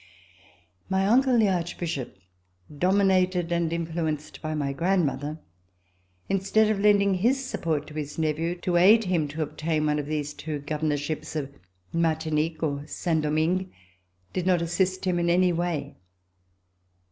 My uncle, the Archbishop, dominated and in fluenced by my grandmother, instead of lending his support to his nephew to aid him to obtain one of these two governorships of Martinique or Saint Domingue, did not assist him in any way.